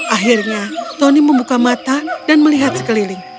akhirnya tony membuka mata dan melihat sekeliling